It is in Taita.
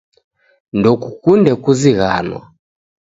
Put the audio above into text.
Ndokukunde kuzighanwa